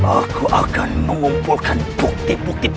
aku akan mengumpulkan bukti bukti